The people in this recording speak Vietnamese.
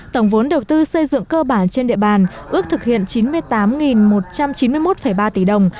tổng vốn đầu tư xây dựng cơ bản trên địa bàn ước thực hiện chín mươi tám một trăm chín mươi một ba tỷ đồng